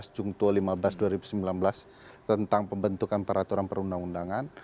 jungto lima belas dua ribu sembilan belas tentang pembentukan peraturan perundang undangan